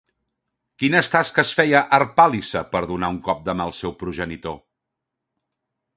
Quines tasques feia Harpàlice per donar un cop de mà al seu progenitor?